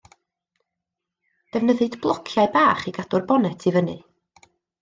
Defnyddid blociau bach i gadw'r bonet i fyny.